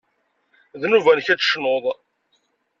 D nnuba-nnek ad tecnuḍ.